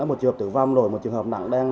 một trường hợp tử vong rồi một trường hợp nặng đang